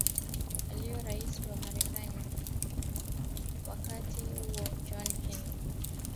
alionya raisi wa marekani wa wakati huo John Kennedy